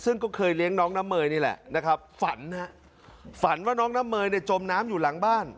ซึ่งก็เคยเลี้ยงน้องน้ำเมยนี่แหละนะครับฝันฮะฝันว่าน้องน้ำเมยเนี่ยจมน้ำอยู่หลังบ้าน